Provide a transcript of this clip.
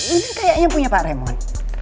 ini kayaknya punya pak remon